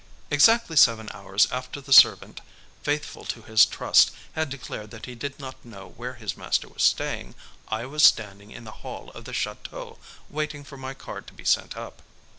Exactly seven hours after the servant, faithful to his trust, had declared that he did not know where his master was staying, I was standing in the hall of the château waiting for my card to be sent up.